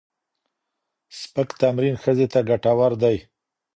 سپک تمرين ښځې ته ګټور دی